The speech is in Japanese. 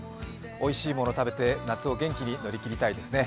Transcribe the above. おいしいもの食べて夏を元気に乗り切りたいですね。